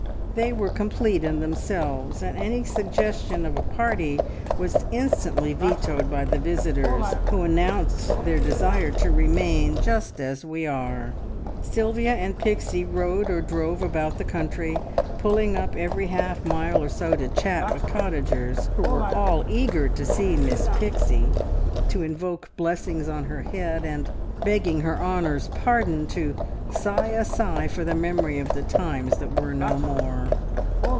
They were complete in themselves, and any suggestion of "a party" was instantly vetoed by the visitors, who announced their desire to remain "just as we are." Sylvia and Pixie rode or drove about the country, pulling up every half mile or so to chat with cottagers, who were all eager to see Miss Pixie, to invoke blessings on her head, and begging her honour's pardon! to sigh a sigh for the memory of the times that were no more.